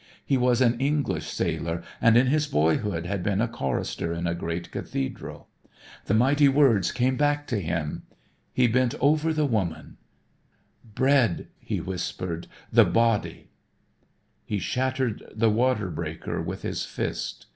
He was an English sailor and in his boyhood had been a chorister in a great Cathedral. The mighty words came back to him. He bent over the woman. [Illustration: The cry for bread.] "Bread," he whispered. "The body " He shattered the water breaker with his fist.